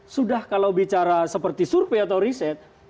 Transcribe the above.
sudah kalau bicara seperti survei atau riset